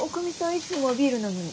いつもはビールなのに。